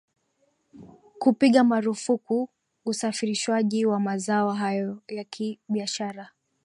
kupiga marufuku usafirishwaji wa mazao hayo yakibiashara